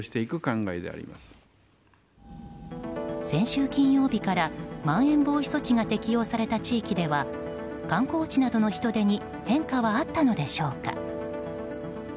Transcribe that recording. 先週金曜日からまん延防止措置が適用された地域では観光地などの人出に変化はあったのでしょうか。